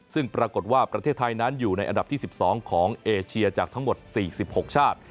ซึ่งปรากฏว่าประเทศไทยนั้นอยู่ในอันดับที่๑๒ของเอเชียจากทั้งหมด๔๖ชาติ